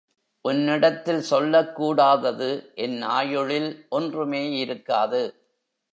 உன்னிடத்தில் சொல்லக் கூடாதது என் ஆயுளில் ஒன்றுமே இருக்காது.